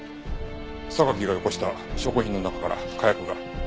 榊が寄越した証拠品の中から火薬が。